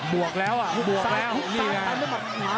บวกแล้วบวกแล้วนี่นะหุบซ้ายหุบซ้ายตันด้วยหมัดหมา